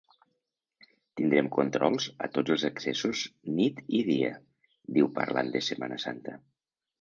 Tindrem controls a tots els accessos nit i dia, diu parlant de Setmana Santa.